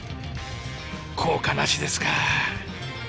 効果なしですか。